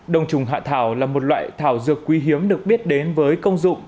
đồng trùng hạ thảo là một loại thảo dược quý hiếm được biết đến với các sản phẩm chăm sóc sức khỏe